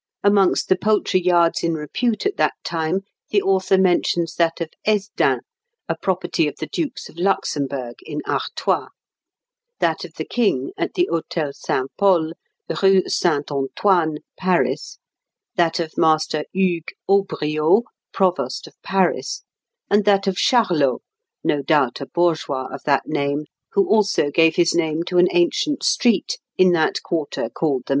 Amongst the poultry yards in repute at that time, the author mentions that of Hesdin, a property of the Dukes of Luxemburg, in Artois; that of the King, at the Hôtel Saint Pol, Rue Saint Antoine, Paris; that of Master Hugues Aubriot, provost of Paris; and that of Charlot, no doubt a bourgeois of that name, who also gave his name to an ancient street in that quarter called the Marais.